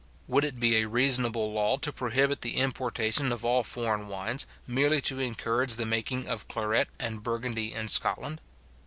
Would it be a reasonable law to prohibit the importation of all foreign wines, merely to encourage the making of claret and Burgundy in Scotland?